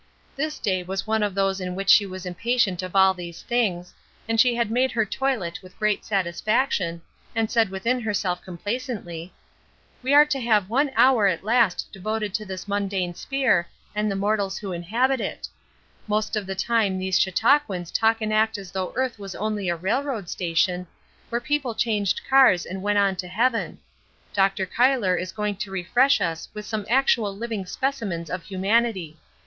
This day was one of those in which she was impatient of all these things, and she had made her toilet with great satisfaction, and said within herself complacently: "We are to have one hour at last devoted to this mundane sphere and the mortals who inhabit it; most of the time these Chautauquans talk and act as though earth was only a railroad station, where people changed cars and went on to heaven. Dr. Cuyler is going to refresh us with some actual living specimens of humanity.